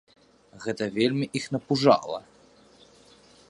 Гэта вельмі іх напужала.